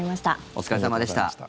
お疲れ様でした。